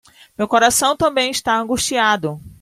Meu coração também está angustiado